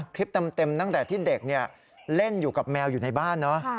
คลิปเต็มตั้งแต่ที่เด็กเล่นอยู่กับแมวอยู่ในบ้านเนอะ